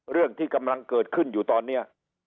เรื่องที่กำลังเกิดขึ้นอยู่ตอนนี้